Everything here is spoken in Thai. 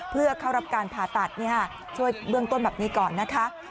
เพื่อเข้ารับการผ่าตัดช่วยเบื้องต้นแบบนี้ก่อนนะคะ